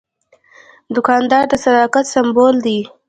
دوکاندار د صداقت سمبول دی.